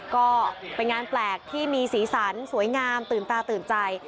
ก็เป็นงานแปลกที่มีสีสันสวยงามตื่นตาตื่นใจ